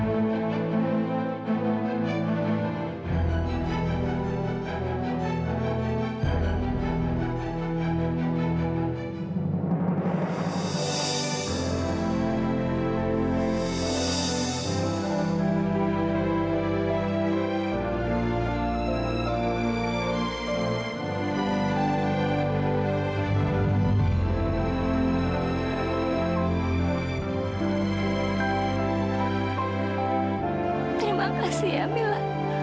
terima kasih ya mila